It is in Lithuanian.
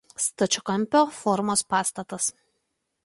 Stačiakampio formos pastatas.